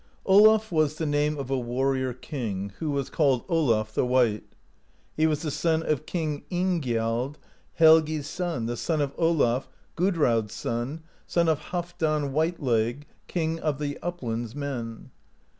Olaf was the name of a warrior king, who was called Olaf the White. He was the son of King Ingiald, Helgi's son, the son of Olaf, Gudraud's son, son of Half dan Whiteleg, king of the Uplands men (8).